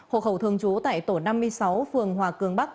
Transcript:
hồ hậu thường chú tại tổ năm mươi sáu phường hòa cường bắc